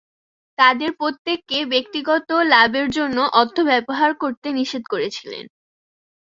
তাদের প্রত্যেককে ব্যক্তিগত লাভের জন্য অর্থ ব্যবহার করতে নিষেধ করেছিলেন।